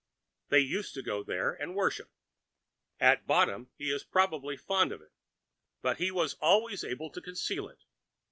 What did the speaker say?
They used to go there and worship. At bottom he was probably fond of it, but he was always able to conceal it.